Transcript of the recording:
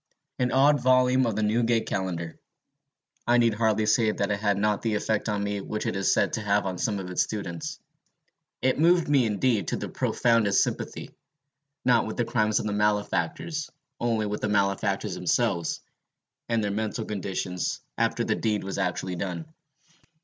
An odd volume of the Newgate Calendar. I need hardly say that it had not the effect on me which it is said to have on some of its students: it moved me, indeed, to the profoundest sympathy, not with the crimes of the malefactors, only with the malefactors themselves, and their mental condition after the deed was actually done.